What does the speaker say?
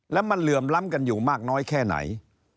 แล้วมันเหลื่อมล้ำกันอยู่มากน้อยแค่ไหน